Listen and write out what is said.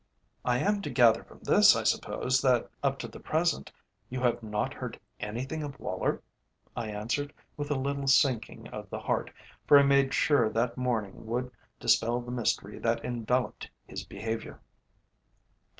"I am to gather from this, I suppose, that up to the present, you have not heard anything of Woller," I answered, with a little sinking of the heart, for I made sure that morning would dispel the mystery that enveloped his behaviour.